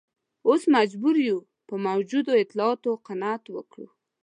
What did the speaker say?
اوس مجبور یو په موجودو اطلاعاتو قناعت وکړو.